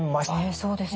そうですよね。